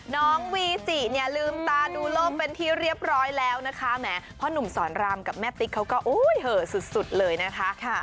น้องวีจิเนี่ยลืมตาดูโลกเป็นที่เรียบร้อยแล้วนะคะแหมพ่อหนุ่มสอนรามกับแม่ติ๊กเขาก็โอ้ยเหอสุดเลยนะคะ